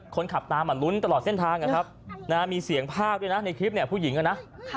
คนขับตามลุ้นตลอดเส้นทางนะครับมีเสียงภาคด้วยนะในคลิปเนี่ยผู้หญิงนะ